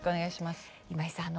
今井さん